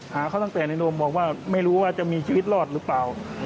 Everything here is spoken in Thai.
หาเขาตั้งแต่ในโนมบอกว่าไม่รู้ว่าจะมีชีวิตรอดหรือเปล่า